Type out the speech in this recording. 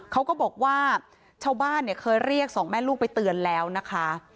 เขาก็บอกว่าชาวบ้านเนี่ยเคยเรียกสองแม่ลูกไปเตือนแล้วนะคะ